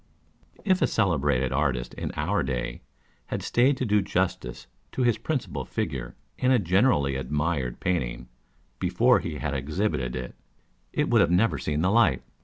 If a celebrated artist in our day had stayed to do justice to his principal figure in a generally admired painting, before he had exhibited it, it would never have seen the light.